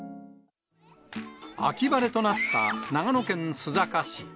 秋晴れとなった長野県須坂市。